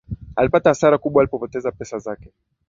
Alipata hasara kubwa alipopoteza pesa zake